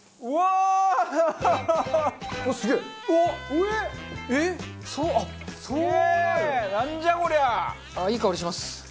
ああいい香りします。